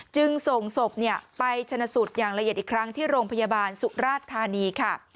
จึงส่งศพไปชนะสูตรอย่างละเอียดอีกครั้งที่โรงพยาบาลสุราชธานีค่ะ